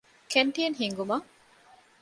ކެންޓީނު ހިންގުމަށް